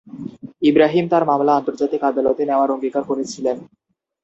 ইব্রাহিম তার মামলা আন্তর্জাতিক আদালতে নেওয়ার অঙ্গীকার করেছিলেন।